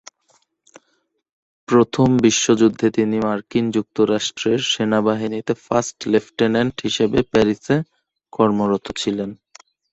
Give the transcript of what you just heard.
প্রথম বিশ্বযুদ্ধে তিনি মার্কিন যুক্তরাষ্ট্রের সেনাবাহিনীতে ফার্স্ট লেফটেন্যান্ট হিসেবে প্যারিসে কর্মরত ছিলেন।